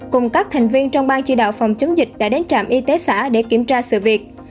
cùng các thành viên trong ban chỉ đạo phòng chống dịch đã đến trạm y tế xã để kiểm tra sự việc